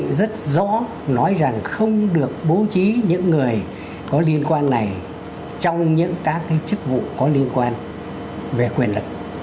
cái quy định rất rõ nói rằng không được bố trí những người có liên quan này trong những các cái chức vụ có liên quan về quyền lực